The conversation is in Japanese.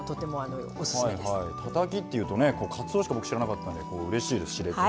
たたきっていうとねかつおしか僕知らなかったんでうれしいです知れて。